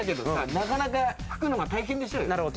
なかなか拭くのが大変でしょうよ。